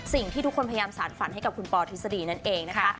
สิ่งที่ทุกคนพยายามสารฝันให้กับคุณปอทฤษฎีนั่นเองนะคะ